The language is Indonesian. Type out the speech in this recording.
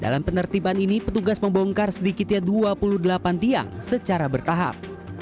dalam penertiban ini petugas membongkar sedikitnya dua puluh delapan tiang secara bertahap